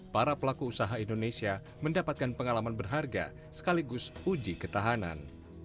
para pelaku usaha indonesia mendapatkan pengalaman berharga sekaligus uji ketahanan